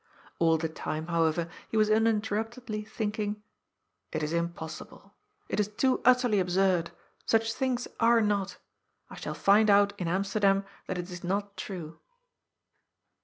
All the time, however, he was uninterruptedly think ing: "It is impossible. It is too utterly absurd. Such things are not. I shall find out in Amsterdam that it is not true."